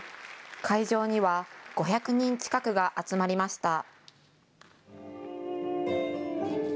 会場には５００人近くが集まりました。